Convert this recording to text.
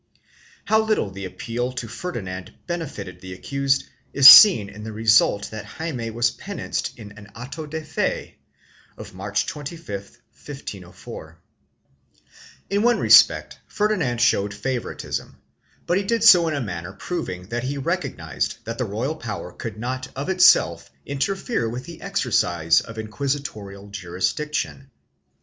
How little the appeal to Ferdinand benefited the accused is seen in the result that Jaime was penanced in an auto de fe of March 25, 1504.2 In one respect Ferdinand showed favoritism, but he did so in a manner proving that he recognized that the royal power could not of itself interfere with the exercise of inquisitorial jurisdiction.